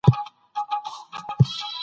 انسانان باید د یو بل مرستندویان وي.